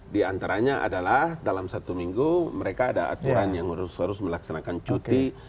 di antaranya adalah dalam satu minggu mereka ada aturan yang harus melaksanakan cuti